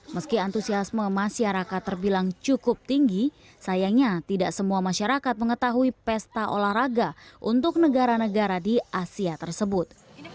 meski antusiasme masyarakat terbilang cukup tinggi sayangnya tidak semua masyarakat mengetahui pesta olahraga untuk negara negara di asia tersebut